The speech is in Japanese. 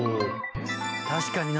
「確かにな。